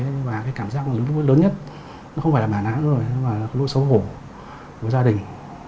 nhưng mà cái cảm giác lớn nhất nó không phải là bản án thôi nó là lỗi xấu hổ với gia đình